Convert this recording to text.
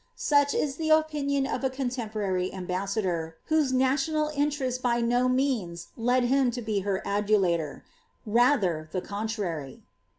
"* Such is the opinion of a contemporary ambassador, whose national inte rest by no means led him to be her adulator; rather the contrary.